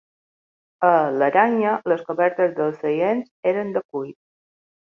A l'Aranya les cobertes dels seients eren de cuir.